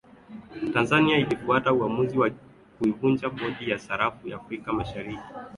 tanzania ilifuata uamuzi wa kuivunja bodi ya sarafu ya afrika mashariki